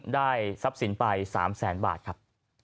ได้ทรัพย์สินไป๓แสนบาทครับ